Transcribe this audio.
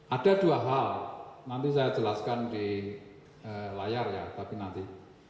ada dua hal nanti saya jelaskan di layar ya tapi nanti